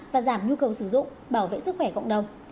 và giảm nhu cầu sử dụng bảo vệ sức khỏe cộng đồng